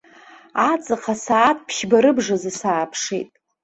Аҵх асааҭ ԥшьба рыбжазы сааԥшит.